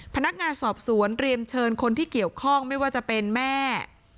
พนักงานสอบสวนเตรียมเชิญคนที่เกี่ยวข้องไม่ว่าจะเป็นแม่